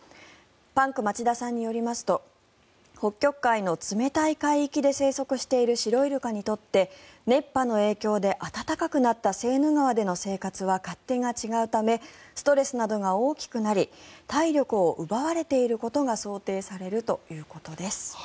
パンク町田さんによりますと北極海の冷たい海域で生息しているシロイルカにとって熱波の影響で暖かくなったセーヌ川での生活は勝手が違うためストレスなどが大きくなり体力を奪われていることが想定されるということです。